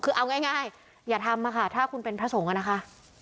คือเอาง่ายอย่าทำค่ะถ้าคุณเป็นพระสงฆ์อะนะคะ